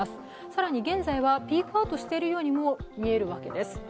更に現在はピークアウトしているようにも見えるわけです。